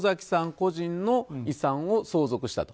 個人の遺産を相続したと。